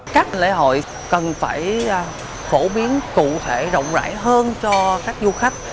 các lễ hội cần phải phổ biến cụ thể rộng rãi hơn cho các du khách